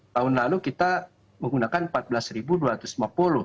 tahun lalu kita menggunakan rp empat belas dua ratus lima puluh